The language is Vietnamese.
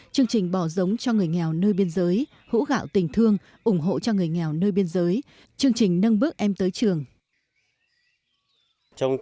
chương trình bỏ giống cho người nghèo nơi biên giới hũ gạo tình thương ủng hộ cho người nghèo nơi biên giới chương trình nâng bước em tới trường